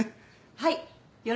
はい。